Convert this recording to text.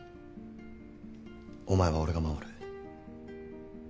お前は俺が守る。